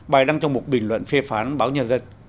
bài đăng trong một bình luận phê phán báo nhân dân